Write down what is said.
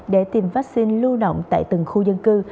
để tiêm vaccine lưu nộng tại từng khu dân cư